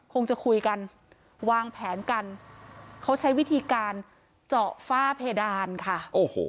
คงจะคุยกันวางแผนกันเขาใช้วิธีการเจาะฝ้าเพดานค่ะโอ้โห